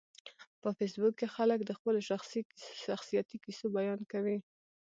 په فېسبوک کې خلک د خپلو شخصیتي کیسو بیان کوي